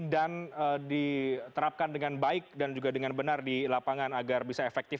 dan diterapkan dengan baik dan juga dengan benar di lapangan agar bisa efektif